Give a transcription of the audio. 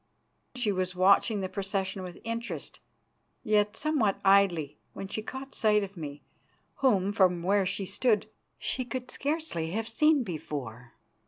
She was watching the procession with interest, yet somewhat idly, when she caught sight of me, whom, from where she stood, she could scarcely have seen before.